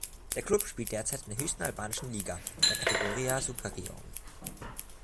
Der Klub spielt derzeit in der höchsten albanischen Liga, der Kategoria Superiore.